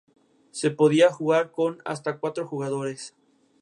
Las razones que le llevaron a abandonar Lieja por Estrasburgo son bastante controvertidas.